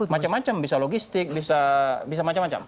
macam macam bisa logistik bisa macam macam